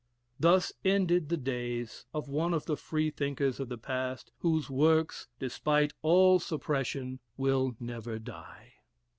Thus ended the days of one of the Freethinkers of the past whose works, despite all suppression, will never die.